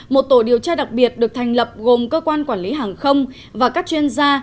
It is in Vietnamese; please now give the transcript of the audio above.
một tổ điều tra đặc biệt được thành lập gồm cơ quan quản lý hàng không và các chuyên gia